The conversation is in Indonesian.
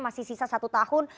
masih sisa satu tahun